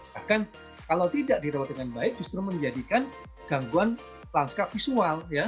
bahkan kalau tidak dirawat dengan baik justru menjadikan gangguan lanska visual